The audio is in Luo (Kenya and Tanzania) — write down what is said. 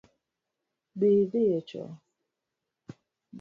Be idhi e choo?